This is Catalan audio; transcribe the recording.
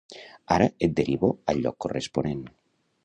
Ara et derivo al lloc corresponent.